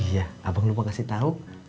oh iya abang lupa kasih tau